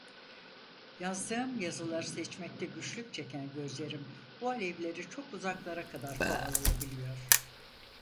Yazdığım yazıları seçmekte güçlük çeken gözlerim, bu alevleri çok uzaklara kadar kovalayabiliyor.